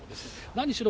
何しろ